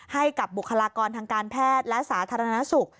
ให้กับบุคลากรทางการแพทย์และสาธารณสุข